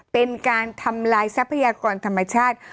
เป็นการทำลายทรัพยากรธรรมชาติ